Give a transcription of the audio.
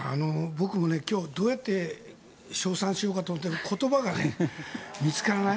僕も今日、どうやって称賛しようかと思ったけど言葉が見つからない。